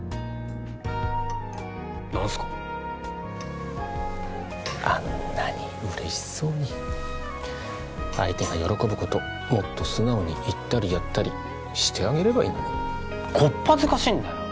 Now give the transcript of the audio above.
何すかあんなに嬉しそうに相手が喜ぶこともっと素直に言ったりやったりしてあげればいいのにこっぱずかしいんだよ